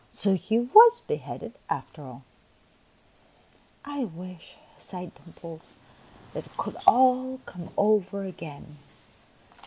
So he was beheaded after all !"" I wish," sighed Dimples, " that it could all come over again."